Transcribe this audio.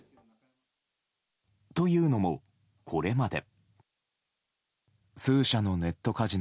というのも、これまで。